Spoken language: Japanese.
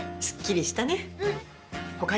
すっきりしたね。